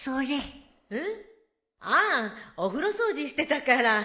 ああお風呂掃除してたから。